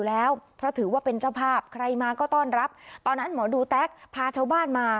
อะไรมาก็ต้อนรับตอนนั้นหมอดูแต๊กพาชาวบ้านมา